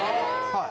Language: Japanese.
はい？